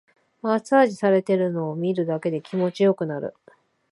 マッサージされてるのを見るだけで気持ちよくなる